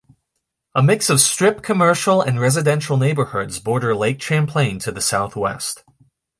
A mix of strip commercial and residential neighborhoods border Lake Champlain to the southwest.